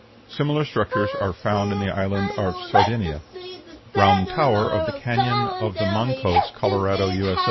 Similar structures are found in the Island of Sardinia. ROUND TOWER OF THE CANYON OF THE MANCOS, COLORADO, U.S.